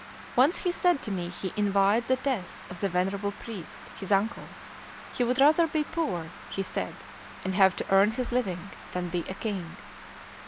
Once he said to me he envied the death of the venerable priest, his uncle; he would rather be poor, he said, and have to earn his living, than be a king.